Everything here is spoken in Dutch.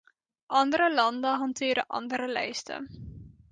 Andere landen hanteren andere lijsten.